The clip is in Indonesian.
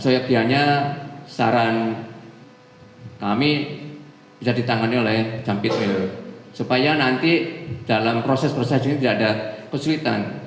seyogianya saran kami bisa ditangani oleh jampit supaya nanti dalam proses proses ini tidak ada kesulitan